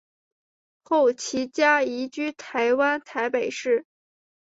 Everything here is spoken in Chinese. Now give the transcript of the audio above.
后其家移居台湾台北市。